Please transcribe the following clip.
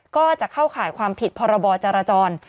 ก็จะเข้าข่ายความผิดพรบจรจร